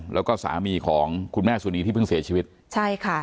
แล้วก็สามีของคุณแม่สุนีที่เพิ่งเสียชีวิตใช่ค่ะ